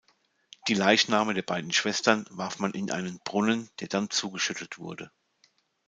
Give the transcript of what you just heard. Die Leichname der beiden Schwestern warf man in einen Brunnen, der dann zugeschüttet wurde.